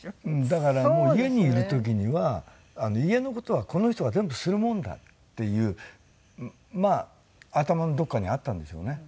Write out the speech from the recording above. だからもう家にいる時には家の事はこの人が全部するもんだっていうまあ頭のどこかにあったんでしょうね。